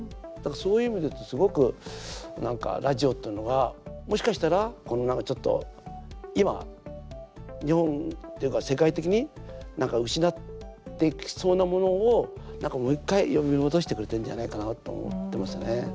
そういう意味で言うと、すごくなんかラジオっていうのがもしかしたら、ちょっと今日本っていうか世界的になんか失っていきそうなものをなんかもう１回呼び戻してくれてるんじゃないかなと思ってますね。